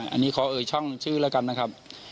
อันนี้ขอเอ่ยช่องชื่อแล้วกันนะครับ